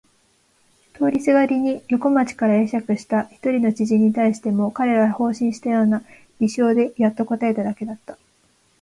通りすがりに横町から会釈えしゃくした一人の知人に対しても彼は放心したような微笑でやっと答えただけだった。